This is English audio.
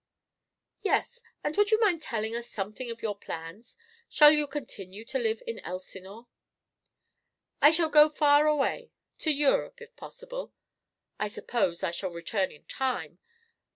"Yes. And would you mind telling us something of your plans? Shall you continue to live in Elsinore?" "I shall go far away, to Europe, if possible. I suppose I shall return in time.